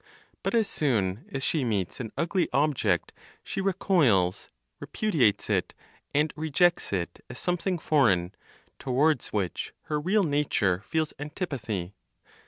But as soon as she meets an ugly object, she recoils, repudiates it, and rejects it as something foreign, towards which her real nature feels antipathy.